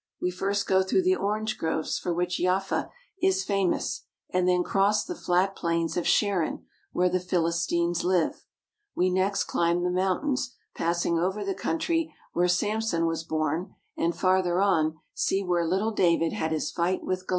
We first go through the orange groves for which Yafa is famous and then cross the flat plains of Sharon, where the Philistines lived. We next climb the mountains, passing over the country where Sam son was born, and, farther on, see where little David had his fight with Goliath.